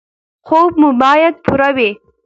خوب مو باید پوره وي.